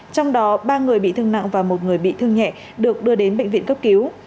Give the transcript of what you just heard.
trong đó ba người bị thương nặng và một người bị thương nhẹ được đưa đến bệnh viện cấp cứu